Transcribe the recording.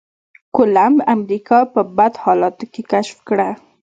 کولمب امريکا په بد حالاتو کې کشف کړه.